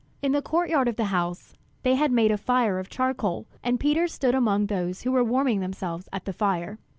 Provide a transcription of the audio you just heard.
In the court yard of the house, they had made a fire of charcoal, and Peter stood among those who were warming themselves at the fire.